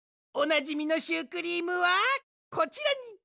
おなじみのシュークリームはこちらに！